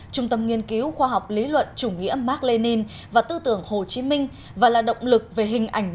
trung tâm nghiên cứu khoa học lý luận chủ nghĩa mark lenin và tư tưởng hồ chí minh